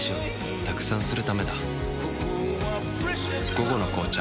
「午後の紅茶」